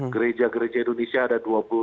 gereja gereja indonesia ada dua puluh